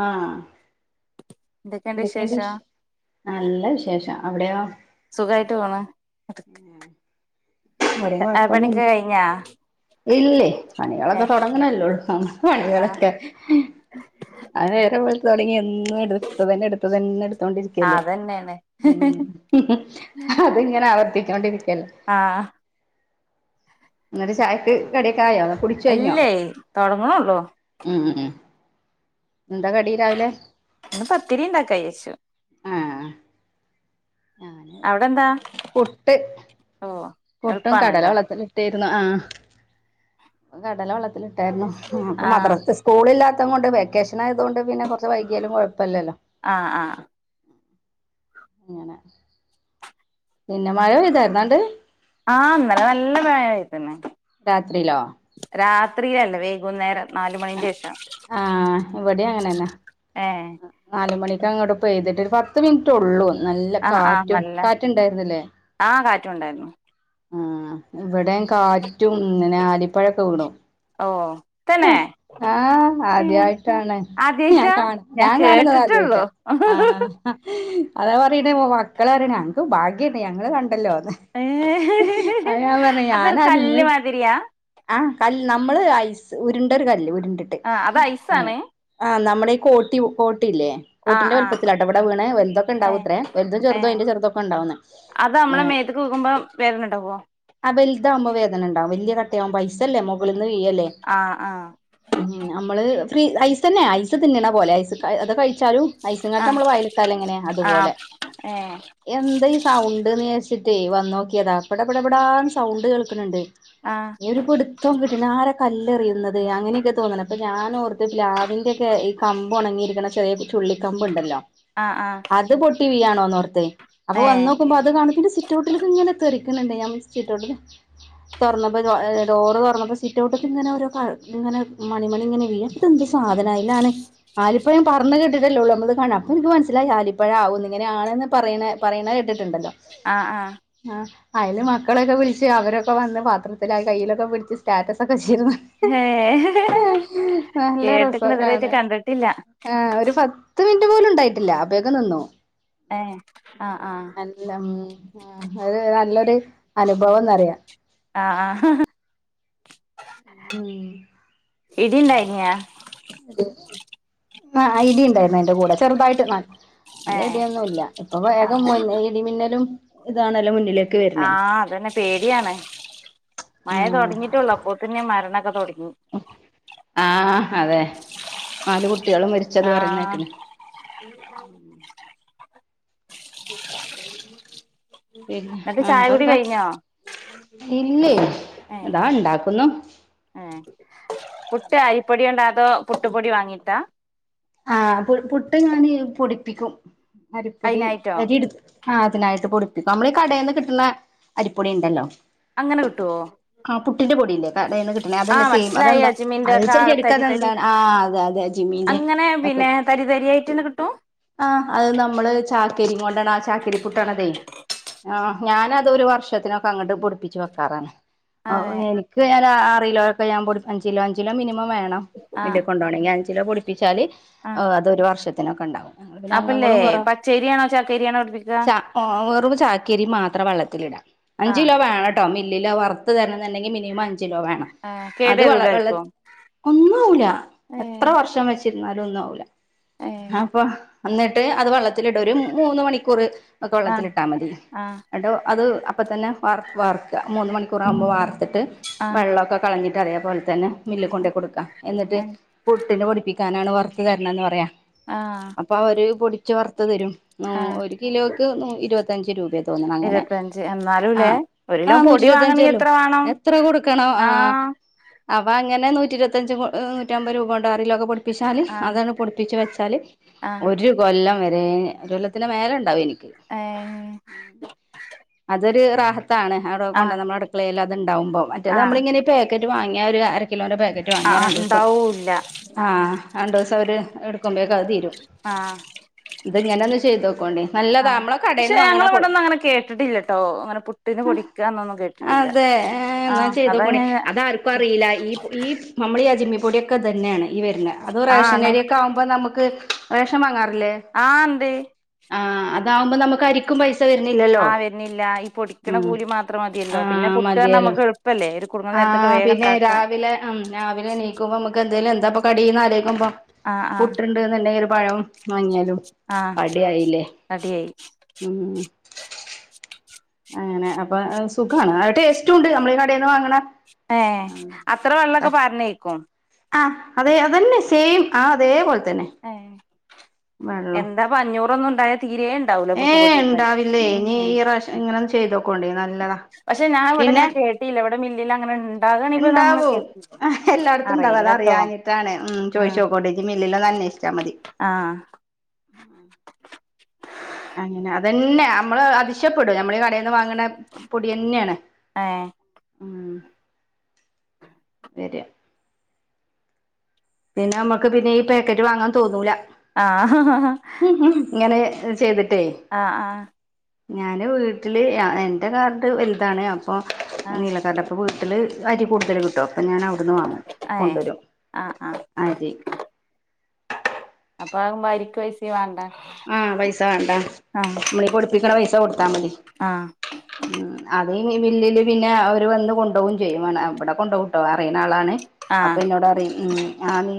ആ എന്തൊക്കെയുണ്ട് എന്തെക്ക്ണ്ട് വിശേഷം വിശ് നല്ല വിശേഷ അവിടെയൊ സുഖായിട്ട് പോന്ന്‌ എ പണിയക്കെ കഴിഞ്ഞാ ഇല്ലയ് ഏ പണികളൊക്കെ തൊട്ങ്ങണല്ലേള്ളൂ ആ ആ പണികളൊക്കെ ആ നേരം വെൾ തൊടങ്ങി എന്ന ന്ന് ട്ത തെന്നെ ട്ത തന്നെ ആ ഇട്ത്തോണ്ടിരിക്കല്ലേ അതന്നെയാണ് ഉം ഹും ഹും ഹത്ങ്ങനാവർത്തി കണ്ട [unintelligible] ആഹ് ന്നട്ട് ചായ ട്ട് കടിയൊക്കായോ ഇല്ലയ് തൊടങ്ങ്ണൊള്ളൂ ഉം ഉം എന്താ കടി രാവിലെ ഇന്ന് പത്തിരി ഉണ്ടാക്കാന്നു വെച്ചു ആഹ് ഞാന് അവിടെന്താ പുട്ട് ഓ പുട്ടും കടല എളുപ്പാണല്ലോ വെള്ളത്തിലിട്ട് ഇര്ന്നു ആ കടല വെള്ള ത്തിലിട്ടായിര്ന്നു ഉം പ്പം ആ മദ്രസ് സ്കൂളില്ലാ [unintelligible] വെക്കേഷന് ആയതോണ്ട് പിന്നെ കൊറച്ച് വൈകിയാലും കൊഴ ആ ആ അങ്ങനെ പിന്നെ മഴ പെയ്താരുന്നോ ആണ്ട് ആ ഇന്നലെ നല്ല മഴ പെയ്ത്ണ് രാത്രിലോ ത്രി അല്ല വൈകുന്നേരം നാല് മണിന്റെ ശേഷം ആ ഇവടിം അങ്ങനെന്നാ ഏ നാലുമണിക്ക് അങ്ങോട്ട് പെയ്തിട്ട് പത്ത് മിനിറ്റ് ഒള്ളൂ നല്ല ആ ആ കാറ്റും. റ്റുണ്ടായിരുന്നു ആ ഇവിടെം കാറ്റും ഇങ്ങനെ ആലിപ്പഴൊക്കെ വീണു ഓ തന്നെ ആഹ് ആദ്യായിട്ടാണ് ഞാൻ ആദ്യായിട്ടാ കാണ് ഞാൻ കാണ്ന്നത് കേട്ടിട്ടുള്ളൂ ആദ്യായിട്ടാ ആ അതാ പറയണേ മക്കളറിണേ ഞങ്ങക്ക് ഭാഗ്യണ്ട് ഞങ്ങള് കണ്ടല്ലോ [inaudible] ഏ അതൊരു കല്ല് മാതിരിയാ ആ കല്ല് നമ്മള് ഐസ് ഉരുണ്ടൊരു കല്ല് ണ്ടിട്ട് ആ അത് മ്മ് ഐസാണ് നമ്മള് [unintelligible] ട്ടില്ലേ ആ കൊട്ടിന്റെ ആ വല്പ്പത്തിലാട്ടോ ഇവടെ വീണേ ഏ വലുതൊക്കെണ്ടാവുംത്രേ വലുതും ഏ ചെറുതും അയിന്റെ ചെറുതൊക്കെണ്ടാവുന്ന് ണ്ടവോ ഇതാവുമ്പോ വേദനണ്ടാവും വല്ല്യ കട്ടയാവുമ്പോ ഐസല്ലേ മൊകളി ന്ന് വീഴല്ലേ ആ ആ നമ്മള് ഫ്രീ ഐസന്നെ ഐസ് തിന്ന്ണ പോലെ ഐസ് ക അത് കഴ് ച്ചാലു ഐസക്കട്ട ആ നമ്മള് വയേലിട്ടല് എങ്ങനെ ആ അതുപോലെ ഏ എന്താ ഈ സൗണ്ട്ന്ന് ഞ ട്ട്ട്ടെ വന്നോക്കിയതാ പെട പെട പെടാന്ന് സൗണ്ട് കേൾക്ക്‌ണ്‌ണ്ട് ആ ഒരു പിടുത്തം കിട്ട്ണ്‌ ആരാ കല് എറിയുന്നത് അങ്ങനെയൊക്കെ തോന്ന്ണേ അപ്പോ ഞാനോർത്ത് പ്ലാവിന്റൊക്കെ ഈ കമ്പ് ഒണങ്ങിയിരിക്ക്‌ണ ചെറിയ ചുള്ളിക്കമ്പ്ണ്ടല്ലോ ആ ആ ഇല്ല്യാണോന്നോർത്തേ അപ്പൊ ഏ വന്നോക്കുമ്പോ അത് കാണ്‌ സിറ്റോട്ടില്ക്ക്‌ങ്ങനെ തെ ക്കണണ്ട് [unintelligible] തൊറന്നപ്പോ ഏഹ് ഡോറ് തൊറന്നപ്പോ സിറ്റൗട്ട്ന്ന് ഇങ്ങനെ ഓരോ പഴ് ഇങ്ങനെ മണി മണി ങ്ങനെ ഇതെന്താ സാധനം അയിലാണെ ആലിപ്പഴം പറന്ന്കെട് ട്ടിയതല്ലേ ഉള്ളൂ നമ്മള് കാണ അപ്പോൾ എനിക്ക് മനസ്സിലായി ആലിപ്പഴാവൂന്ന് ഇങ്ങനെ ആണെന്ന് പറയണ് പറയണ കേട്ടിട്ടുണ്ടല്ലോ ആഹ് ആഹ് ആഹ് അയില് മക്കളൊക്കെ വിളിച്ച് അവരൊക്കെ വന്ന് പാത്രത്തിലാ കയ്യിലൊക്കെ പിടിച്ച് സ്റ്റാറ്റസ് ഒക്കെ ച് ഏ [unintelligible] നല്ല രസാ കേട്ട്ക്ക്ണ് ഇതുവരായിട്ട് കാണാൻ, കണ്ടിട്ടില്ല ആ ഒരു പത്ത് മിനിറ്റ് ട്ടുപോലും ഉണ്ടായിട്ടില്ല അപ്പേക്കും നിന്നു ഏ ആ ആ അല്ല മ് ഉം അത് ട്ട് അനുഭവന്നറിയാ ആ ആഹ് ഉം ഇടിയിണ്ടായിനയാ ആ ഇടി ഉണ്ടായിരുന്നു അയിൻ്റെ കൂടെ ചെറുതായിട്ട് നൽ നല്ല ഏ ഇടിയൊന്നൂല്ല ഇപ്പ ആ വേഗം മ് ഇടിമിന്നലും ഇതാണല്ലോ മുന്നില് ആഹ് അതന്നെ പേടിയാണ് മഴ ആഹ് തൊടങ്ങീട്ടുള്ളു അപ്പൊ തന്നെ മരണ [unintelligible] ആഹ് അതെ നാല് കുട് കുട്ട്യേള് മരിച്ചത് ആ പറയുന്ന കേക്കണ് പിന്നെ ന്നിട്ട് ചായ കുടി വേറെന്താ? കഴിഞ്ഞോ ഇല്ലേ ഏ ഇതാ ഇണ്ടാക്കുന്നു ഏ പുട്ട് അരിപ്പൊടി കൊണ്ട അതോ പുട്ടുപൊടി വാങ്ങിട്ടാ? ആഹ് പു പുട്ട് ഞാൻ പൊടിപ്പിക്കും അരിപ്പൊടി അതിനായിട്ടോ അരി എടുക്കും ആ അതിനായിട്ട് പൊടിപ്പിക്കും നമ്മളീ കടേന്ന് കിട്ടണ അരിപ്പൊടി ഇണ്ടല്ലോ അങ്ങനെ കിട്ടുവോ ആ പുട്ടിന്റെ പൊടില്ലേ കടേന്ന് കിട്ടണ ആ അതന്നെ സെയിം മനസ്സിലായി അതെന്താ അജ്മിന്റെ അത് ഒക്കെ ആ തരി തരി [unintelligible] ആ ആ അതെ അജ്മിന്റെ അങ്ങനെ പിന്നെ തരി തരിയിട്ടെന്നെ കിട്ടൂം ചാക്കരി കൊണ്ടാണത് ആ ചാക്കരി പുട്ടാണതെ ആ ഞാനതൊരു വർഷത്തിനൊക്കെ അങ്ങട്ട് പൊടിപ്പിച്ച് വെക്കാറാണ് ആ എനിക്ക് ഞാൻ ഒരാറ് കിലോക്കെ ഞാൻ പൊട് അഞ്ച് കിലോ ഒക്കെ അഞ്ച് കിലോ മിനിമം വേണം ആ മില്ല് കൊണ്ടോണെങ്കി അഞ്ച് ഞ്ചിലോ പൊടിപ്പിച്ചാല് ആ ഓ അതൊരു വർഷത്തേക് ത്തിനൊക്കെണ്ടാവും പിന്നെ അപ്പല്ലേ അംഗങ്ങളും കൊറോ പച്ചേരിയാണോ ചാക്കേരിയാണോ പിടിപ്പിക്ക ച വെറും ചാക്കിരി മാത്രം വെള്ളത്തിൽ ഇടുക ആ അഞ്ച് കിലോ വേണംട്ടോ വറത്ത് തരുണം ന്ന് ണ്ടെങ്കി മിനിമം അഞ്ച് ചെലുവേം വേണം കേട് അത് വരൂല ഇപ്പൊ വെള്ളത്തി ഒന്നുമാവില്ല ഏ എത്ര വർഷം വെച് ന്നാലോ ഒന്നും ആവു ഇല്ല ഏ അപ്പൊ എന്നിട്ട് അത് വെള്ളത്തിലിട ഒരു മൂന്ന് മണിക്കൂർ ഒക്കെ ആ വെള്ളത്തിലിട്ടാ മതി ആ അട്ടോ അത് അപ്പം തന്നെ വാർത്ത് വാർക്കുക മൂന്ന് മണിക്കൂറാവകുമ്പോൾ വാർത്തിട്ട് ആ ട്ട് വെള്ളമൊക്കെ കളഞ്ഞി [unintelligible] തന്നെ മില്ല കൊണ്ട കൊടുക്ക എന്നിട്ട് പുട്ടിനു പൊടിപ്പിക്ക ക്കാനാണ് വർ [unintelligible] എന്ന് പറയാം ആ അപ്പൊ അവര് പൊടി ചോർ പത്ത തരും ന ആ ഒരു കിലോക്ക് ന ഇരുപത്തഞ്ച് രൂപയ തോന്നുന്നു അങ്ങനെ ഇരുപത്തഞ്ച് ആഹ എന്നാലുംല്ലേ ഒരു ആ കിലോ നൂറ്റി പൊടി വാങ്ങണെങ്കി ഇരുപത്തഞ്ചല്ലോ എത്ര വേണം എത്ര കൊടുക്കണോ ആ അവ അങ്ങനെ നൂറ്റിരുപത്തഞ്ച് നൂറ്റമ്പത് രൂപ കൊണ്ടണ്ട് ആറ് കിലൊക്കെ പൊടിപിച്ചാല് ആ അതാണ് പൊടിപ്പിച്ച് വച്ച ച്ചാല് ആ ഒരു കൊല്ലം വ അതെ ഒരു കൊല്ലത്തിന് മേല ഉണ്ടാവും എനിക്ക് ഏ ഉം അത് ദി റാഹത്ത് ഇത്താണ് അവിടെ ആ കൊണ്ട നമ്മള അടുക്കളേല ഉണ്ടവുമ്പോ മറ്റേ ആ നമ്മള ഇങ്ങനെ പേ ക്കറ്റ് വാങ്ങിയ ഒരു കാ കിലോണ്ടേ പാക്കറ്റ് ആ വാങ്ങിയ രണ്ടുസം ഉണ്ടാവൂല്ല അവര് എടുക്കുമ്പോ- അത് തീരും ആ ഇതങ്ങനെ ഒന്ന് ചെയ്ത് നോക്ക് ഒണ്ടേൽ ആഹ് നല്ലതാമ്മള പക്ഷെ കടയിൽന്ന് വാങ്ങണ പൊ ഞങ്ങളിവിടൊന്നും അങ്ങനെ കേട്ടിട്ടില്ലട്ടോ അങ്ങനെ പുട്ടിന് പൊടിക്കാന്നൊന്നും കേട്ടിട്ടില്ല ആഹ് അതാ ഞാൻ അതാർക്കും അറിയില്ല ഈ ഈ നമ്മൾ ഈ അജ്മി പൊടിയൊക്ക അത് തന്നെയാണ് ഈ വരുന്ന അതൊ ആഹ് റേഷ ആണ് നരിയൊക്കെ ആവുമ്പോൾ നമുക്ക് റേഷൻ വാങ്ങാറ- ആഹ എന്തേ ആ അതാകുമ്പോ നമുക്കരിക്കും പൈസ വരുന്നില്ലല്ലോ ആഹ വരുന്നില്ല ഈ പൊടിക്കണ ഉം കൂലി മാത്രം മതിയല്ലോ പിന്നെ പുട്ട് നമ്മുക്ക് എളുപ്പല്ലേ ഒരു കുടുങ്ങുന്ന ആ നേരത്തൊക്കെ വേഗം പിന്നെ ഉണ്ടാക്കാ രാവിലെ ഉം രാവിലെ എനീക്കുമ്പോ നമുക്ക് അല്ലേലും എന്താ ഇപ്പോ കടി എന്നാലോയ്ക്കുമ്പോ ആഹ് ആഹ് പുട്ടുണ്ട് എന്നലെങ്കിലും പഴം വാങ്ങിയാലും ആഹ് അട ആയില്ലേ റെഡിയായി അങ്ങനെ അപ്പൊ സുഖമാണ് അത് ടേസ്റ്റ് ഉണ്ട് നമ്മൾ ഈ കടയിൽന്ന് വാങ്ങണ ഏ അത്ര വെള്ളമൊക്കെ പാരനേക്കും ആ അതെ അതന്നെ സെയിം ആ അതേ പോലെ എന്താപ്പ അഞ്ഞൂറൊന്നും ഉണ്ടായാ തീരെ ഉണ്ടാവൂല ഏ പുട്ടുപൊടിയൊന്നുവേ ഇണ്ടാവില്ലേ ഇനി ഉം ഈ പ്രാവശ്യം ഇങ്ങനെ ഒന്ന്ചെയ്ത് നോക്കോണ്ടിംനല്ലതാ പക്ഷെ ഞാൻ ഇവിടെ പിന്നെ അങ്ങനെ കേട്ടില്ല ഇവിടെ മില്ലിൽ അങ്ങനെ ഉണ്ടാകണെപ്പ നമ്മള് ഇണ്ടാവും കേട്ടില്ല എല്ലായിടത്തും ഇണ്ടാവും അത് അറിയില്ലട്ടോ അറിയാഞ്ഞിട്ടാണ് ഉം ചോയിച്ചു നോക്കോണ്ടിം ഇല്ലേൽ മില്ലിലൊന്നു അന്വഷിക്ക് ആഹ [inaudible] അങ്ങനെ അതന്നെ നമ്മള് അതിശ്യപ്പെടും നമ്മൾ ഈ കട വാങ്ങണ പൊടി തന്നെയാണ് ഏഹ് മ് വരാ പിന്നെ നമ്മുക്ക് പിന്നെ ഈ പാക്കറ്റ് വാങ്ങാൻ തോന്നൂല ആഹ് ഹാ ചെയ്തിട്ട് ആ ആ ഞാന് വീട്ടില് എന്റെ കാർഡ് വലുതാണ് പ്പോ ആഹ് നീല കാർഡാ പ്പു ഇതിൽ അരി കൂടുതൽ കിട്ടും അപ്പം ഞാൻ അവിടുന്ന് വാങ്ങും ഏഹ് കൊണ്ടുവരും ആഹ് ആഹ് അരി അപ്പൊ ആകുമ്പോ അരിക്ക് പൈസ വേണ്ട ആഹ് പൈസ വേണ്ട ആഹ് നമ്മളീ പൊടി പ്പിക്കണ പൈസ കൊടുത്ത അത്താ മതി ആഹ് ഉ അ നീ മി ല്ലില് പിന്നെ അവര് വന്നു കൊ ണ്ടോവും ചെയ്യും ഇബടെ കൊണ്ടോ അറീ ആളാണ് അപ്പൊ ആഹ് എന്നോടറിംഉ ആ നീ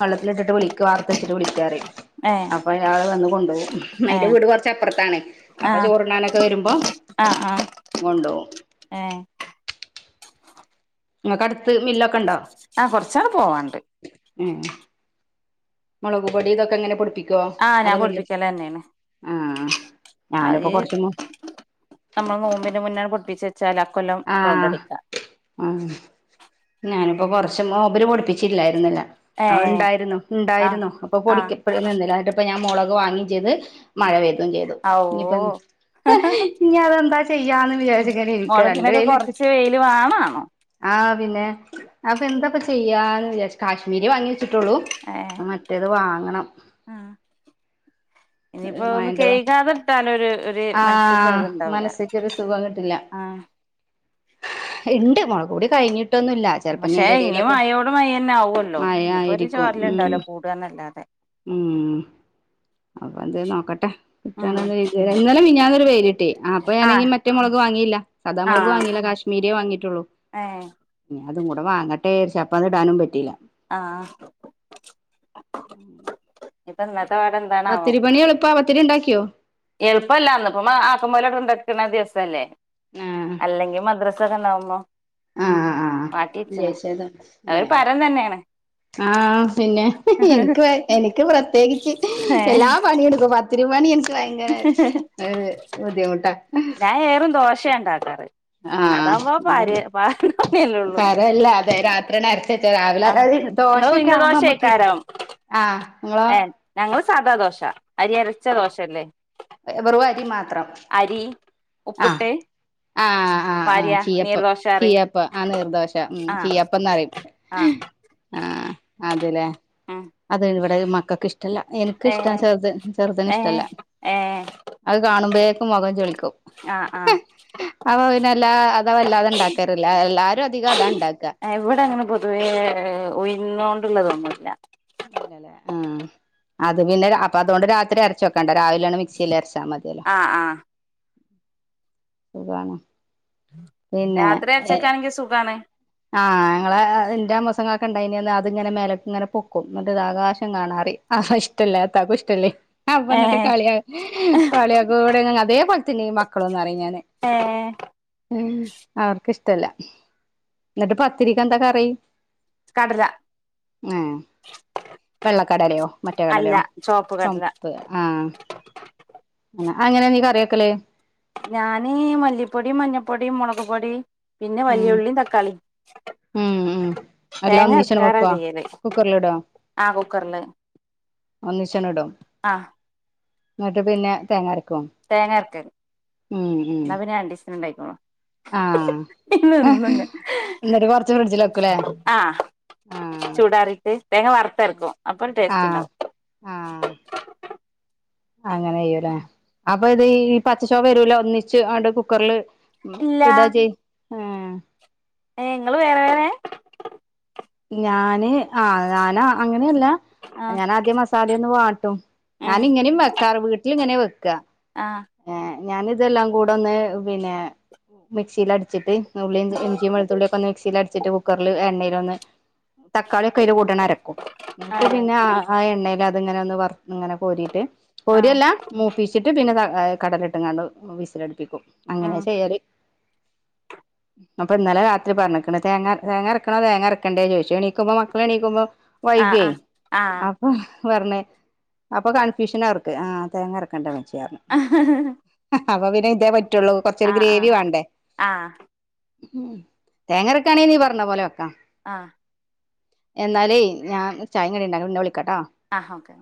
വെള്ളത്തിലിട്ടിട്ട് വിളിക്ക് വാർത്ത് വെച്ചിട്ട് വിളിക്ക് അറീം ഏഹ് അയാള് വന്ന് കൊണ്ടുപോകും അതിൻന്റെ ഏഹ് വീട് കുറച്ചപ്പുറത്താണ് അപ്പൊ ആഹ് ചോറിണാനൊക്കെ വരുമ്പോ ആഹ് ആഹ് കൊണ്ടോകും ഏഹ് ങ്ങക്ക് അടുത്ത് മില്ലൊക്കെ ഉണ്ടോ ആഹ കൊറച്ചാങ്ങ്പോവാണ്ട് ഉം മുളകുപൊടി ഇതൊക്കെ എങ്ങനെ പൊടി പ്പിക്കും ആഹ് ഞാൻ പൊടിപ്പിക്കല് തന്നെയാണ് [unintelligible] ഉ അത് നമ്മൾ നോമ്പിന്റെ മുന്നാണ് പൊടിപ്പിച്ച ആ ആ ഞാന് അപ്പൊ കുറച്ചും നോമ്പിന് പഠിപ്പിച്ചട്ടില്ലായിരുന്നില്ല ആ ഏഹ് ഉണ്ടായിരുന്നു ആഹ് ഉണ്ടായിരുന്നു അപ്പൊ ആഹ് പൊടിക്ക നിന്നില്ലട്ട ഇപ്പ ഞാൻ മുോള വാങ്ങി ചെയ്ത് മഴ ആഹ് പെയ്തയും ചെയ്തു ഇനിപ്പ ഓഹ് ഇനി അതെന്താ ത്യന്ന് വിചായത്ക്ക നിനക്ക് ക്കെ കൊറച്ച് വെയില് വേണോ ആഹ പിന്നെ അപ്പൊ എന്തപ്പ ചെയ്യാന്ന് കാശ്മീരി വാങ്ങി ഇട്ടോളൂ മറ്റേത് വാങ്ങ വേണം [inaudible] ഇനിയിപ്പോന്ന് മഴന്റെ കെഴുകാതെ ഇട്ടാല് ഒരു ഒരു മനസ്സിക്ക് ഒരു ആഹ് ഇതുണ്ടാവില്ല. മനസ്സിക്കൊരു ങ് എന്റെ മകൾക്കൂടി കഴിഞ്ഞിട്ട് പക്ഷേ ഇനി മഴയോട് മഴ തന്നെ ആകുവല്ലോ. മഴ ഇനിയിപ്പോ ഒരു ആയിരിക്കും ഉം ചോരലുണ്ടാവില്ല കൂടുകാന്നല്ലാതെ. അവൾ എന്തെന്ന് നോക്കട്ടെ. കിട്ടുവാണെങ്കിൽ എഴുതി. ഇന്നലേം മിനിഞ്ഞാന്ന് ഒരു വെയിൽ കിട്ടി. അപ്പൊ ഞാൻ ആഹ് സാദാമുളക് ആഹ് വാങ്ങില്ല. കാശ്മീരിയെ വാങ്ങിട്ടുള്ളൂ. ഏഹ് അതു കൂടെ വാങ്ങട്ടെരിച്ചാ അപ്പ അത് ഇടാനും പറ്റില്ല. ആാാ ഇതങ്ങ് പത്തിരി പണി എളുപ്പ? പത്തിരി ഉണ്ടാക്കിയോ? എളുപ്പല്ലാന്ന് ഇപ്പോ അപുമോനെ കൊണ്ടാക്കുന്ന ദിവസല്ലേ അല്ലെങ്കിൽ മദ്രസ ഇതെന്നാ ഉമ്മ ആാാ ലെയ്സ് ഏതാ? അതൊരു പരം തന്നെയാണ് ആാാ പിന്നെ. എനിക്ക് പ്രത്യേകിച്ച് എല്ലാ പണിയെടുക്കും തിരുവാണിയൻസ് എനക്ക് ഭയങ്കര ബുദ്ധിമുട്ടാ ഒച്ച ഉണ്ടാക്കാതെ ആാാ അതന്നെ. പാരണല്ലേ ഉള്ളൂ കരല്ലേ തരാം. രാത്രി എന്ന ചേച്ചി രാവിലെ? ആഹ് നിങ്ങള് ദോശക്ക് ഉഴുന്ന് ആവുമ്പോ നമുക്ക് ഇഡ്. ദോശക്കാരം ആാാ നിങ്ങളോ? നമ്മൾ സാധാദോശ വെറും അരി മാത്രം. അരി ആ. ഉപ്പിട്ട് ആാാ ആ ഭാര്യ ചീയപ്പം. നീർദോശ കറി ചീയപ്പം നീർദോശ. ആഹ് ചീയപ്പോന്നു പറയും ആഹ് ആഹ പിന്നെ ഉം അതൊരു വട്ടം എന്താലും മക്കൾക്കിഷ്ട ടല്ല. എനക്ക് ഇഷ്ടാ ഏഹ് ചെറുത് വന് ഏഹ് ഇഷ്ടല്ല. ഏഹ് അത് കാണുമ്പോഴേക്ക് മൊഖം ചുളിക്കും. ആഹ് ആഹ് അപ്പോ പിന്നെ ലാ അതല്ല ഉണ്ടാക്കാറില്ല. എല്ലാരും അധികം അതാ ഉണ്ടാക്ക ങ്ങനെ പൊതുവേ ഉഴുന്നോണ്ടുള്ളതൊന്നുല്ല. ഇല്ലല്ലേ ആ അത് പിന്നെ അപ്പ തുണ്ട് രാത്രി അരച്ചുവെക്കണ്ട രാവിലെയാണ് മിക്സില് അരച്ചാ മതി ആഹ് ആഹ് സുഖാണോ രാത്രിയരച്ചുക്കാണെങ്കിൽ സുഖാണ് ഞങ്ങള് അവൻ വന്നിട്ട് ഏഹ് കളിയാ കളിയാക്കോട്ങ്ങ അതെ പ തിനിം മക്കളൊന്ന് അറിഞ്ഞാൻ ഏഹ് ണ് ഉം അവർക്ക് ഇഷ് ത്തല്ല എന്നിട്ട് പത്തിരിക്ക് എന്താ കറി കടല ഏഹ് വെള്ളക്കടലയോ മറ്റേ അല്ല കടലയോ ചോപ്പ് കടല ചൊമപ്പ് ആഹ് [unintelligible] അങ്ങനെ നീ കറി വെക്കല് ഞാന് മല്ലിപ്പൊടി മഞ്ഞപ്പൊടി മുളകുപൊടി പിന്നെ ഉം വല്ലിയുള്ളിയും തക്കാളി ഉം ഉം എല്ലാം തേങ്ങ ഒന്നിച്ചണ് അർക്കാര വെക്കുവ ചെയ്യല് കുക്കറിലിടോ ആ കുക്കറില് ഒന്നിച്ചണ് ഇടും ആ എന്നിട്ട് പിന്നെ തേങ്ങാരക്ക് തെങ്ങാരക്കും ഉം എന്ന പിന്നെ [unintelligible] ഉണ്ടായിരിക്കും ആഹ് [unintelligible] ഇന്ന് എന്നിട്ട് കൊറച്ച് ഫ്രിഡ്ജിൽ വെക്കൂലേ ആ ആഹ് ചൂടാറിട്ട് തേങ്ങ വറുത്തെറുക്കും അപ്പൊ ഒരു ടേസ്റ്റ് ആഹ് ഉണ്ടാവും ആഹ് അങ്ങനെ ചെയ്യൂലെ അ പ്പൊ ഇത് ഈ പച്ച ചൊവ്വ വരൂലോ ഒന്നിച്ച് ആണ്ട് കുക്കറില് ഉം ഇല്ല ഇടാ ചെയ് ആ [inaudible] ഇങ്ങള് [unintelligible] ഞാന് ആ ഞാൻ അ അങ്ങനെയല്ല ആ ഞാനാദ്യം മസാലയൊന്ന് വാ ട്ടും ഉം ഞാനിങ്ങനെയും വെയ്ക്കാറ് വീട്ടിൽ ഇങ്ങനെ വയ്ക്ക ആ ഏ ഞാൻ ഇതെല്ലാം കൂടെ ഒന്ന് പിന്നെ മിക്സിൽ അടിച്ചിട്ട് ഉള്ളിയും ഇഞ്ചി ഇഞ്ചിയും വെളുത്തുള്ളി ഒക്കെ ഒന്ന് മിക്സിയിൽ അടിച്ചിട്ട് കുക്കറില് എണ്ണയി ഒന്ന് തക്കാളിയൊക്കെ [unintelligible] അരക്കും എന്നിട്ട് പിന്നെ ആ ആ എണ്ണ അത് എങ്ങനെ ഒന്ന് വർ ഇങ്ങനെ കോരിയിട്ട് ആ കോരിയല്ലാ മൂപ്പിച്ചിട്ട് പിന്നെ ത എ കടലയിട്ടെങ്ങാണ്ട് വിസിലടിപ്പിക്കും അങ്ങനെ ഉം ചെയ്യാലെ അപ്പൊ ഇന്നലെ രാത്രി പറഞ്ഞേക്കണ് തേങ്ങ തേങ്ങ അരക്കണോ തേങ്ങ അര കണ്ടേ ചോയിച്ചു എണീക്കുമ്പോ മക്കള് എണീക്കുമ്പോ ആ വൈകുവെ ആ ആ അപ്പൊ പറഞ്ഞ് അപ്പൊ കൺഫ്യൂഷൻ അവർക്ക് ആ തേങ്ങ അരക്കണ്ടേ വേ ആ അപ്പ പിന്നെ ഇതേപ റ്റുള്ളൂ കുറച്ചൊരു ഗ്രേവി വേണ്ടേ ആ ആ ഉം തേങ്ങരക്കാണെ നീ പറഞ്ഞ പോലെ വെക്കാം ആഹ് എന്നാലേ ഞാൻ ചായെം കടീം ഉണ്ടാക്ക പിന്നെ വി ക്കാട്ടൊ ആ ഓക്കെ